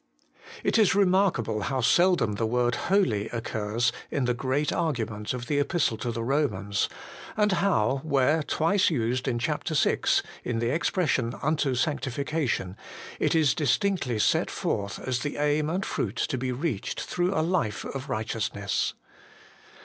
It is remarkable how seldom the word holy occurs in the great argument of the Epistle to the Eomans, and how, where twice used in chap. vi. in the ex pression 'unto sanctification,' it is distinctly set forth as the aim and fruit to be reached through a life of righteousness.